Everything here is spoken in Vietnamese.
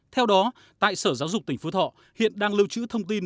theo đó tại sở giáo dục tỉnh phú thọ hiện đang lưu trữ thông tin